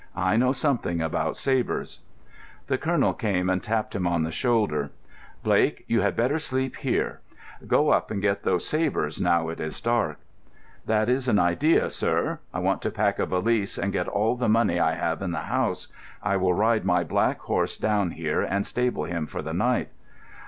I know something about sabres." The colonel came and tapped him on the shoulder. "Blake, you had better sleep here. Go up and get those sabres now it is dark." "That is an idea, sir. I want to pack a valise, and get all the money I have in the house. I will ride my black horse down here and stable him for the night."